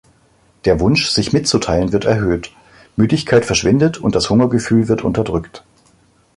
Der Wunsch, sich mitzuteilen, wird erhöht, Müdigkeit verschwindet, und das Hungergefühl wird unterdrückt.